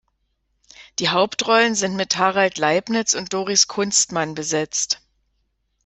Die Hauptrollen sind mit Harald Leipnitz und Doris Kunstmann besetzt.